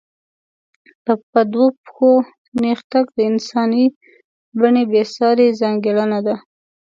په دوو پښو نېغ تګ د انساني بڼې بېسارې ځانګړنه ده.